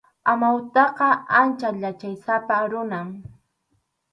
Amawtaqa ancha yachaysapa runam.